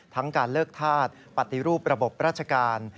ทั้งการเลิกธาตุปฏิรูประบบราชการ